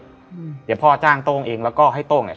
เดี๋ยวพ่อจ้างโต้งเองแล้วก็ให้โต้งเนี่ย